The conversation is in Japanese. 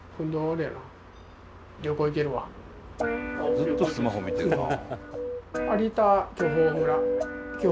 ずっとスマホ見てるなあ。